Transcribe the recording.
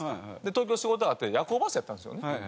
東京で仕事があって夜行バスやったんですよね。